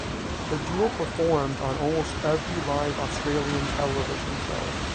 The duo performed on almost every live Australian television show.